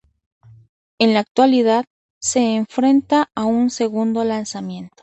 En la actualidad, se enfrenta a un segundo lanzamiento.